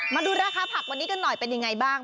มาดูราคาผักวันนี้กันหน่อยเป็นยังไงบ้าง